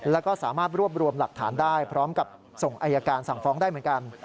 แล้วก็สามารถรวบรวมหลักฐานได้พร้อมกับส่งอายการสั่งฟ้องได้เหมือนกัน